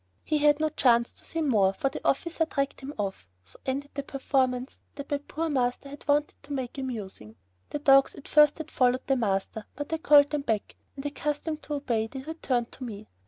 He had no chance to say more, for the officer dragged him off. So ended the performance that my poor master had wanted to make amusing. The dogs at first had followed their master, but I called them back, and accustomed to obey, they returned to me.